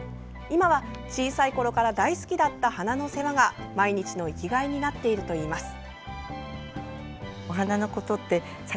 今は、小さいころから大好きだった花の世話が毎日の生きがいになっているといいます。